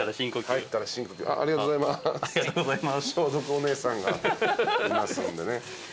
消毒お姉さんがいますんでね。